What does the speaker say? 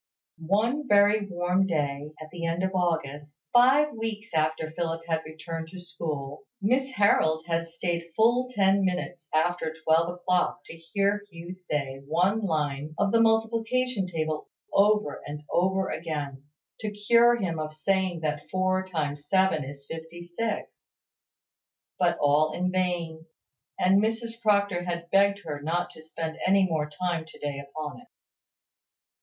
One very warm day, at the end of August, five weeks after Philip had returned to school, Miss Harold had stayed full ten minutes after twelve o'clock to hear Hugh say one line of the multiplication table over and over again, to cure him of saying that four times seven is fifty six; but all in vain: and Mrs Proctor had pegged her not to spend any more time to day upon it.